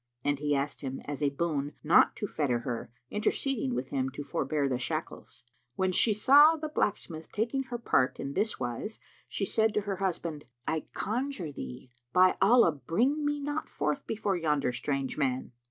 And he asked him as a boon not to fetter her, interceding with him to forbear the shackles. When she saw the blacksmith taking her part in this wise she said to her husband, "I conjure thee, by Allah, bring me not forth before yonder strange man!"